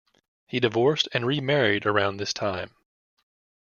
He divorced and remarried around this time.